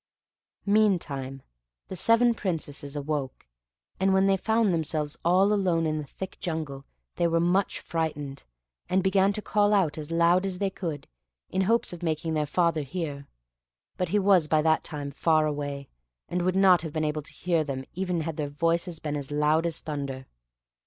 Meantime the seven Princesses awoke, and when they found themselves all alone in the thick jungle they were much frightened, and began to call out as loud as they could, in hopes of making their father hear; but he was by that time far away, and would not have been able to hear them even had their voices been as loud as thunder.